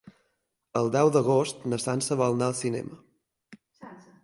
El deu d'agost na Sança vol anar al cinema.